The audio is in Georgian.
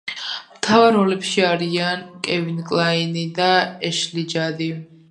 მთავარ როლებში არიან კევინ კლაინი და ეშლი ჯადი.